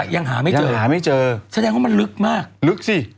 ยังหาไม่เจอหาไม่เจอแสดงว่ามันลึกมากลึกสิ